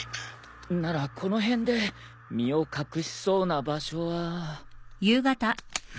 ならこの辺で身を隠しそうな場所は。